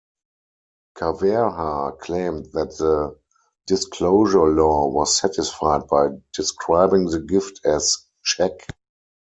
Ceverha claimed that the disclosure law was satisfied by describing the gift as 'check'.